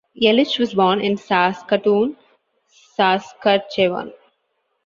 Yelich was born in Saskatoon, Saskatchewan.